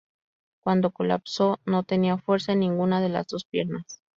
Cuando colapsó, no tenía fuerza en ninguna de las dos piernas.